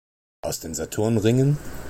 Aus den Saturn-Ringen?